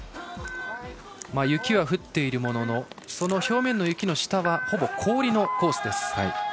雪は降っているもののその表面の雪の下はほぼ氷のコースです。